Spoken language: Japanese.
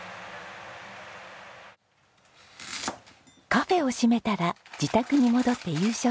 カフェを閉めたら自宅に戻って夕食。